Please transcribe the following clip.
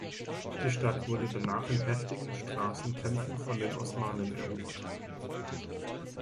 Die Stadt wurde danach in heftigen Straßenkämpfen von den Osmanen erobert.